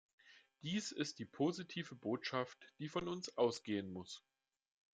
Dies ist die positive Botschaft, die von uns ausgehen muss.